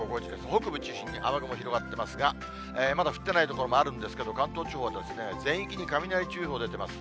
北部中心に雨雲広がってますが、まだ降っていない所もあるんですけれども、関東地方はですね、全域に雷注意報出てます。